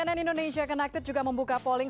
cnn indonesia connected juga membuka polling